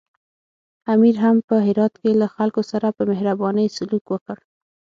امیر هم په هرات کې له خلکو سره په مهربانۍ سلوک وکړ.